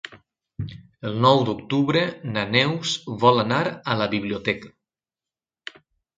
El nou d'octubre na Neus vol anar a la biblioteca.